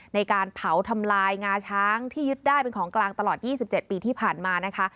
ในการเผาทำลายงาช้างที่ยึดได้เป็นของกลางตลอด๒๗ปีที่ผ่านมานะคะ